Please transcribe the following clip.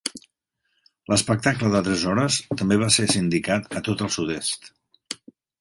L'espectacle de tres hores també va ser sindicat a tot el sud-est.